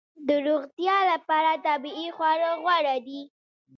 د روغتیا لپاره طبیعي خواړه غوره دي